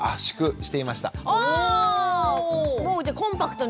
もうじゃコンパクトに。